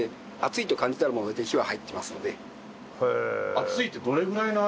熱いってどれぐらいの熱さ？